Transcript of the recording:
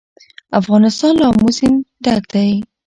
افغانستان له آمو سیند ډک دی.